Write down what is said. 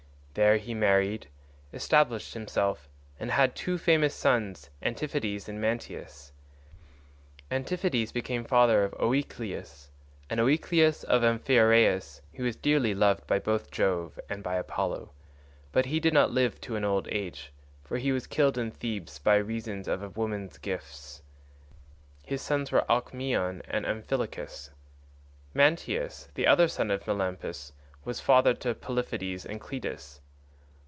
There he married, established himself, and had two famous sons Antiphates and Mantius. Antiphates became father of Oicleus, and Oicleus of Amphiaraus, who was dearly loved both by Jove and by Apollo, but he did not live to old age, for he was killed in Thebes by reason of a woman's gifts. His sons were Alcmaeon and Amphilochus. Mantius, the other son of Melampus, was father to Polypheides and Cleitus.